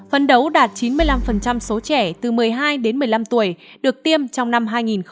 phần đấu đạt chín mươi năm số trẻ từ một mươi hai đến một mươi năm tuổi được tiêm trong năm hai nghìn hai mươi một